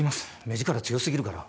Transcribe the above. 目力強すぎるから。